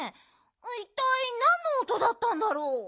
いったいなんのおとだったんだろう？